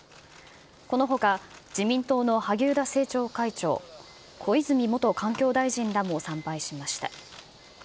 このほか自民党の萩生田政調会長、小泉元環境大臣らも参拝しました。